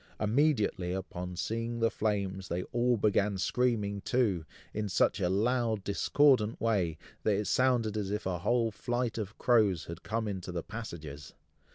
Immediately upon seeing the flames, they all began screaming too, in such a loud discordant way, that it sounded as if a whole flight of crows had come into the passages.